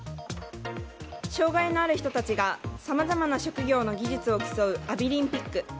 障害のある人たちがさまざまな職業の技術を競うアビリンピック。